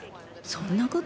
そんな事。